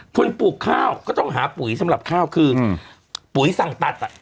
ปลูกข้าวก็ต้องหาปุ๋ยสำหรับข้าวคือปุ๋ยสั่งตัดอ่ะ